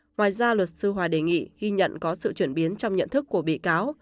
ngoài ra luật sư hòa đề nghị ghi nhận có sự chuyển biến trong nhận thức của bị cáo